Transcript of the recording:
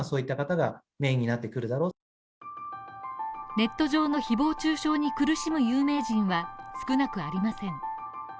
ネット上の誹謗中傷に苦しむ有名人は少なくありません。